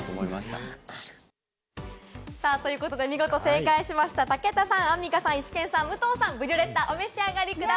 見事正解しました武田さん、アンミカさん、イシケンさん、武藤さん、ブリュレッタをお召しやったー！